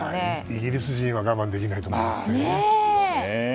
イギリス人は我慢できないと思いますね。